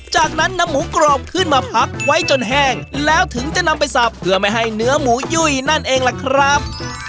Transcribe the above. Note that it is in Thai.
จากนั้นนำหมูกรอบขึ้นมาพักไว้จนแห้งแล้วถึงจะนำไปสับเพื่อไม่ให้เนื้อหมูยุ่ยนั่นเองล่ะครับ